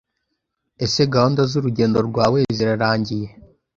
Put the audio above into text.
Ese gahunda zurugendo rwawe zirarangiye?